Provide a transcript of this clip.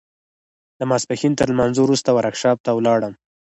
د ماسپښين تر لمانځه وروسته ورکشاپ ته ولاړم.